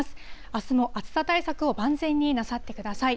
あすも暑さ対策を万全になさってください。